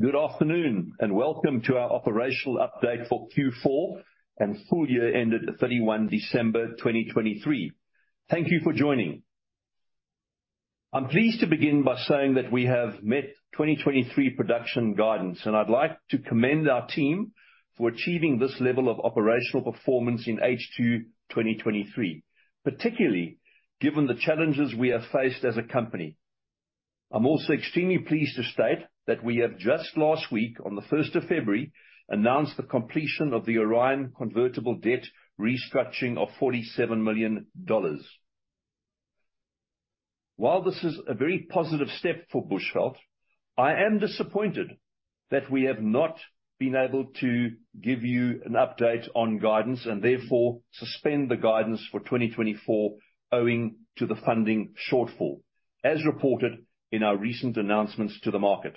Good afternoon, and welcome to our operational update for Q4 and full year ended 31 December 2023. Thank you for joining. I'm pleased to begin by saying that we have met 2023 production guidance, and I'd like to commend our team for achieving this level of operational performance in H2 2023, particularly given the challenges we have faced as a company. I'm also extremely pleased to state that we have just last week, on 1 February, announced the completion of the Orion convertible debt restructuring of $47 million. While this is a very positive step for Bushveld, I am disappointed that we have not been able to give you an update on guidance, and therefore suspend the guidance for 2024 owing to the funding shortfall, as reported in our recent announcements to the market.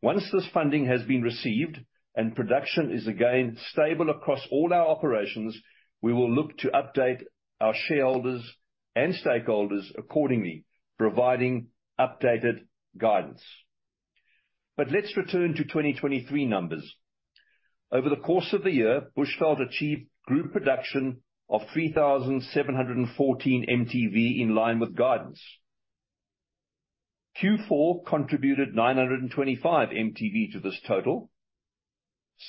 Once this funding has been received and production is again stable across all our operations, we will look to update our shareholders and stakeholders accordingly, providing updated guidance. Let's return to 2023 numbers. Over the course of the year, Bushveld achieved group production of 3,714 mtV, in line with guidance. Q4 contributed 925 mtV to this total.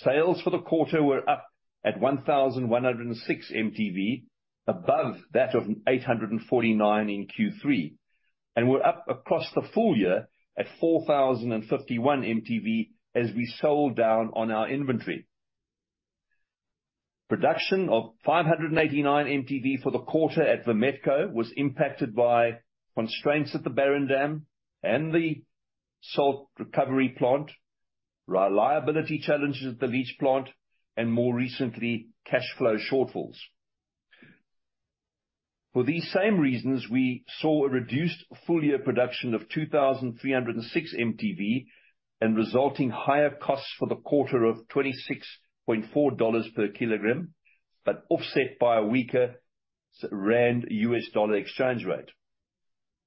Sales for the quarter were up at 1,106 mtV, above that of 849 in Q3, and were up across the full year at 4,051 mtV as we sold down on our inventory. Production of 589 mtV for the quarter at Vametco was impacted by constraints at the barren dam and the salt recovery plant, reliability challenges at the leach plant, and more recently, cash flow shortfalls. For these same reasons, we saw a reduced full year production of 2,306 mtV, and resulting higher costs for the quarter of $26.4 per kilogram, but offset by a weaker rand-US dollar exchange rate.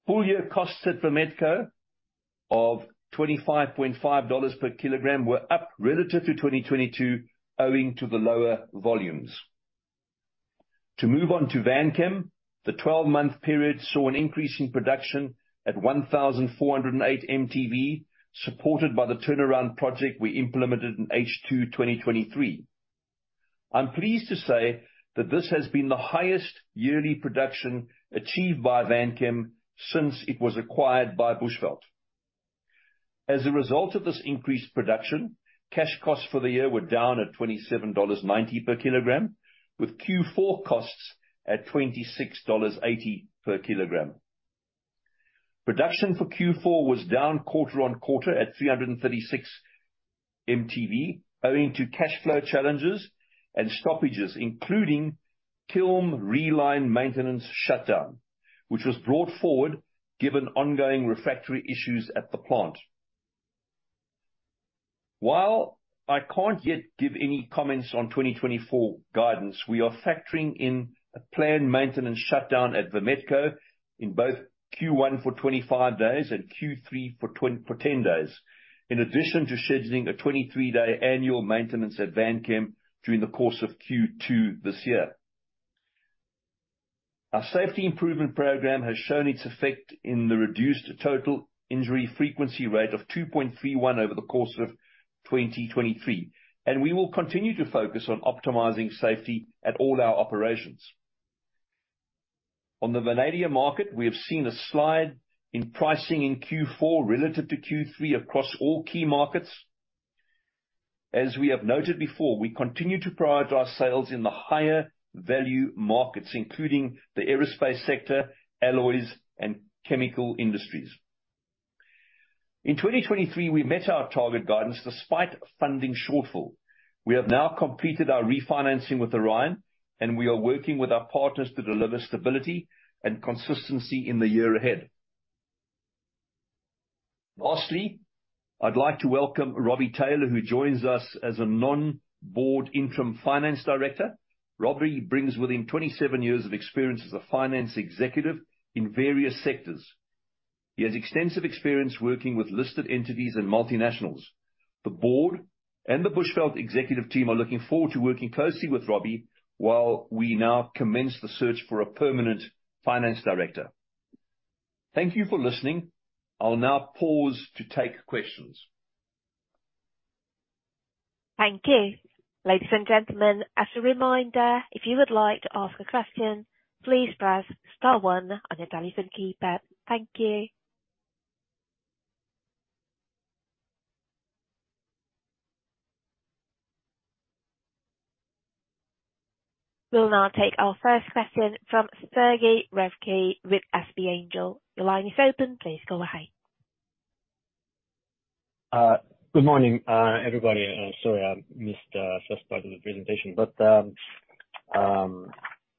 Full year costs at Vametco of $25.5 per kilogram were up relative to 2022, owing to the lower volumes. To move on to Vanchem, the twelve-month period saw an increase in production at 1,408 mtV, supported by the turnaround project we implemented in H2 2023. I'm pleased to say that this has been the highest yearly production achieved by Vanchem since it was acquired by Bushveld. As a result of this increased production, cash costs for the year were down at $27.90 per kilogram, with Q4 costs at $26.80 per kilogram. Production for Q4 was down quarter-on-quarter at 336 mtV, owing to cash flow challenges and stoppages, including kiln reline maintenance shutdown, which was brought forward given ongoing refractory issues at the plant. While I can't yet give any comments on 2024 guidance, we are factoring in a planned maintenance shutdown at Vametco in both Q1 for 25 days and Q3 for ten days, in addition to scheduling a 23-day annual maintenance at Vanchem during the course of Q2 this year. Our safety improvement program has shown its effect in the reduced Total Injury Frequency Rate of 2.31 over the course of 2023, and we will continue to focus on optimizing safety at all our operations. On the vanadium market, we have seen a slide in pricing in Q4 relative to Q3 across all key markets. As we have noted before, we continue to prioritize sales in the higher value markets, including the aerospace sector, alloys, and chemical industries. In 2023, we met our target guidance despite a funding shortfall. We have now completed our refinancing with Orion, and we are working with our partners to deliver stability and consistency in the year ahead. Lastly, I'd like to welcome Robbie Taylor, who joins us as a non-board interim finance director. Robbie brings with him 27 years of experience as a finance executive in various sectors. He has extensive experience working with listed entities and multinationals. The board and the Bushveld executive team are looking forward to working closely with Robbie while we now commence the search for a permanent finance director. Thank you for listening. I'll now pause to take questions. Thank you. Ladies and gentlemen, as a reminder, if you would like to ask a question, please press star one on your telephone keypad. Thank you. We'll now take our first question from Sergey Raevskiy with SP Angel. Your line is open. Please go ahead. Good morning, everybody. Sorry, I missed first part of the presentation, but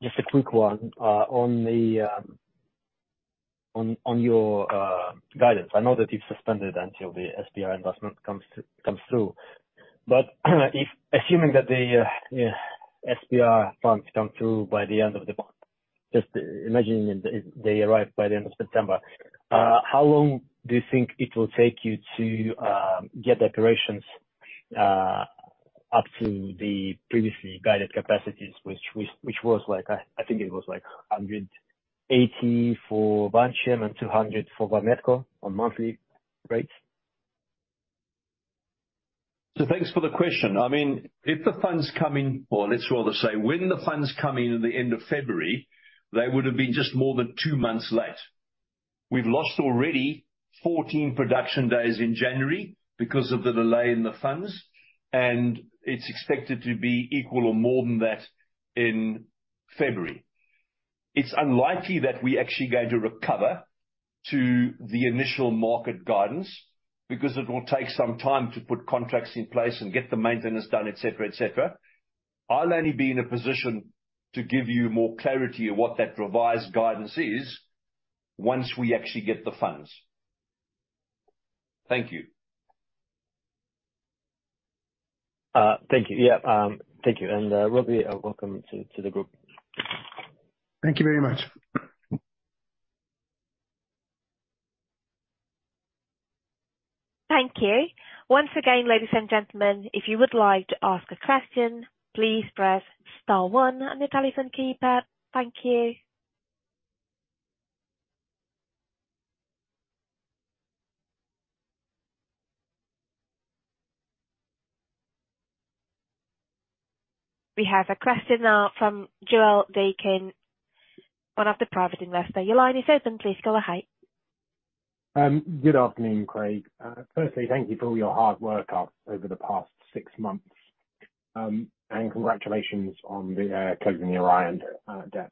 just a quick one on your guidance. I know that you've suspended until the SPR investment comes through, but if assuming that the SPR funds come through by the end of the month. Just imagining they arrive by the end of September, how long do you think it will take you to get operations up to the previously guided capacities, which was like, I think it was like 180 for Vanchem and 200 for Vametco on monthly, right? So thanks for the question. I mean, if the funds come in, or let's rather say, when the funds come in in the end of February, they would've been just more than two months late. We've lost already 14 production days in January because of the delay in the funds, and it's expected to be equal or more than that in February. It's unlikely that we actually going to recover to the initial market guidance, because it will take some time to put contracts in place and get the maintenance done, et cetera, et cetera. I'll only be in a position to give you more clarity on what that revised guidance is, once we actually get the funds. Thank you. Thank you. Yeah, thank you, and welcome to the group. Thank you very much. Thank you. Once again, ladies and gentlemen, if you would like to ask a question, please press star one on your telephone keypad. Thank you. We have a question now from Joel Vecht, one of the private investors. Your line is open. Please go ahead. Good afternoon, Craig. Firstly, thank you for all your hard work over the past six months, and congratulations on the closing the Orion debt.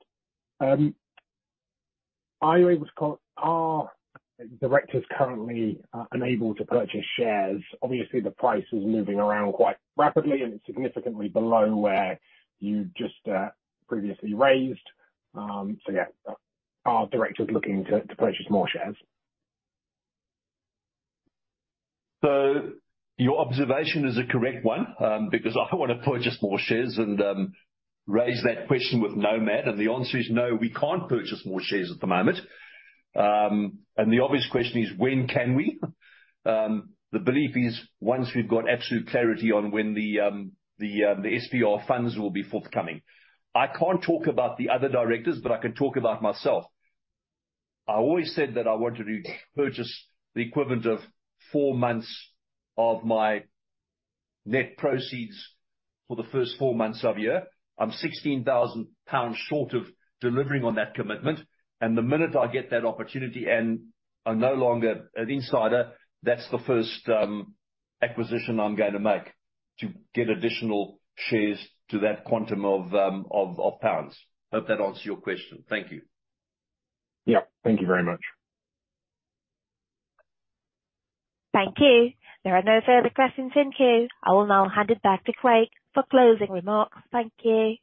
Are directors currently unable to purchase shares? Obviously, the price is moving around quite rapidly and significantly below where you just previously raised. So yeah, are directors looking to purchase more shares? So your observation is a correct one, because I want to purchase more shares and raise that question with Nomad, and the answer is: no, we can't purchase more shares at the moment. The obvious question is, "When can we?" The belief is, once we've got absolute clarity on when the SPR funds will be forthcoming. I can't talk about the other directors, but I can talk about myself. I always said that I wanted to purchase the equivalent of four months of my net proceeds for the first four months of year. I'm 16,000 pounds short of delivering on that commitment, and the minute I get that opportunity and are no longer an insider, that's the first acquisition I'm going to make, to get additional shares to that quantum of pounds. Hope that answers your question. Thank you. Yeah. Thank you very much. Thank you. There are no further questions in queue. I will now hand it back to Craig for closing remarks. Thank you.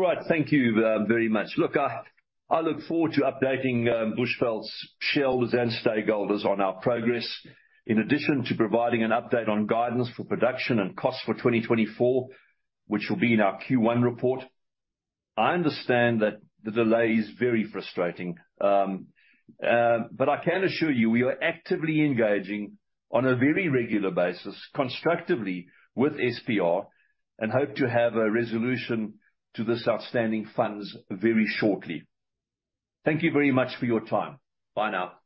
Right. Thank you very much. Look, I look forward to updating Bushveld's shareholders and stakeholders on our progress, in addition to providing an update on guidance for production and costs for 2024, which will be in our Q1 report. I understand that the delay is very frustrating, but I can assure you, we are actively engaging on a very regular basis, constructively with SPR, and hope to have a resolution to this outstanding funds very shortly. Thank you very much for your time. Bye now.